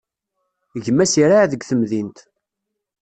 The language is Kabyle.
Gma-s iraɛ deg temdint.